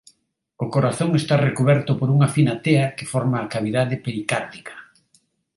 O corazón está recuberto por unha fina tea que forma a cavidade pericárdica.